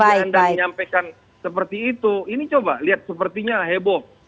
kalau misalnya anda menyampaikan seperti itu ini coba lihat sepertinya heboh